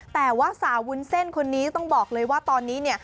แต่ว่าสาววุ้นเส้นคนนี้ต้องบอกเลยว่าตอนนี้เนี่ย